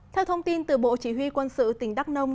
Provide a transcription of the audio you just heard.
theo thông tin từ bộ chỉ huy quân sự tỉnh đắk nông